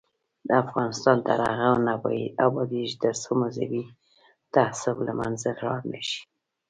افغانستان تر هغو نه ابادیږي، ترڅو مذهبي تعصب له منځه لاړ نشي.